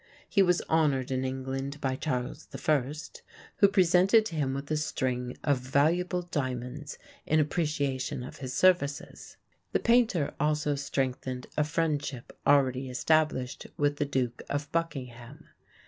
He was honored in England by Charles I, who presented him with a string of valuable diamonds in appreciation of his services. The painter also strengthened a friendship already established with the Duke of Buckingham.